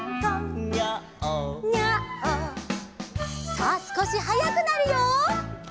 」さあすこしはやくなるよ。